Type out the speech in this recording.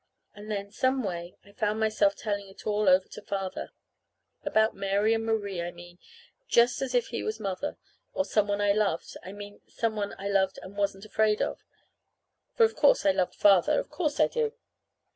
And then, some way, I found myself telling it all over to Father about Mary and Marie, I mean, just as if he was Mother, or some one I loved I mean, some one I loved and wasn't afraid of; for of course I love Father. Of course I do!